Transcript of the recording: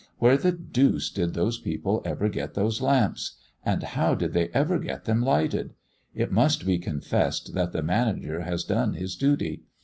Where the deuce did those people ever get those lamps! And how did they ever get them lighted! It must be confessed that the manager has done his duty.